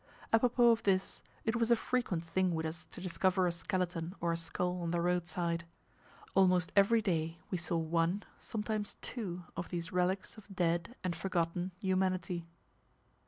Apropos of this, it was a frequent thing with us to discover a skeleton or a skull on the roadside. Almost every day we saw one, sometimes two, of these relics of dead, and forgotten humanity.